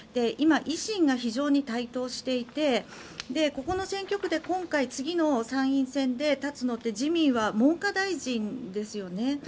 今、維新が非常に台頭していてここの選挙区で今回、次の参院選で立つのって自民は文科大臣ですよね。